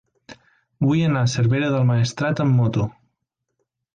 Vull anar a Cervera del Maestrat amb moto.